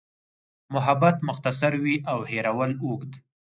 محبت مختصر وي او هېرول اوږد.